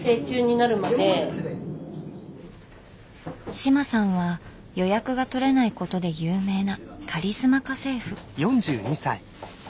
志麻さんは予約が取れないことで有名なカリスマ家政婦。